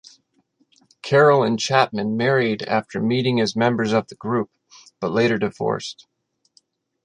Carroll and Chapman married after meeting as members of the group, but later divorced.